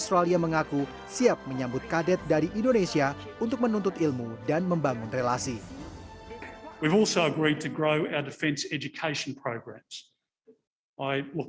selanjutnya pemerintah indonesia akan mengirim kadet putra putri nasional ke australian defense cooperation